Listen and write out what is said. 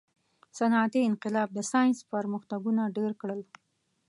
• صنعتي انقلاب د ساینس پرمختګونه ډېر کړل.